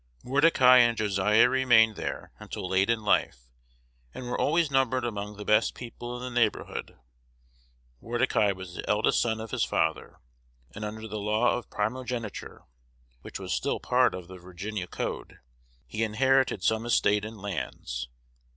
Mor decai and Josiah remained there until late in life, and were always numbered among the best people in the neighborhood. Mordecai was the eldest son of his father; and under the law of primogeniture, which was still a part of the Virginia code, he inherited some estate in lands.